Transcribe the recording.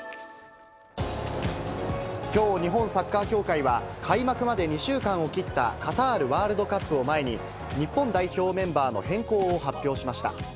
きょう、日本サッカー協会は、開幕まで２週間を切った、カタールワールドカップを前に、日本代表メンバーの変更を発表しました。